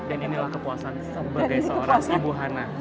dan inilah kepuasan sebagai seorang ibu hana